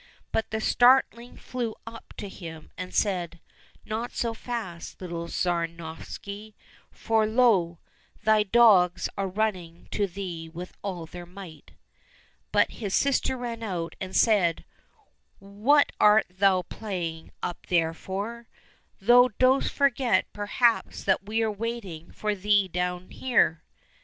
But the starling flew up to him and said, " Not so fast, little Tsar Novishny, for lo ! thy dogs are running to thee with all their might." But his sister ran out and said, " What art thou playing up there for } Thou dost forget perhaps that we are wait ing for thee down here